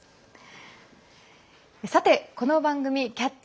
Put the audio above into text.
さて、この番組「キャッチ！